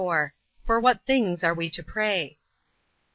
For what things are we to pray?